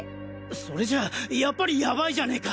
それじゃやっぱりやばいじゃねぇか！